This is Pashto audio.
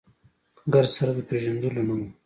ګرد سره د پېژندلو نه و.